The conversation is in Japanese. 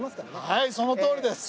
はいそのとおりです。